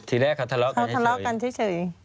ทีแรกเค้าทะเลาะกันให้เฉย